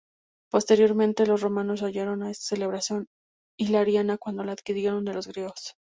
Posteriormente los romanos llamaron a esta celebración Hilaria cuando la adquirieron de los griegos.